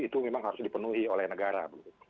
itu memang harus dipenuhi oleh negara